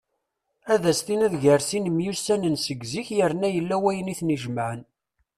Ad as-tiniḍ gar sin myussanen seg zik yerna yella wayen iten-ijemɛen.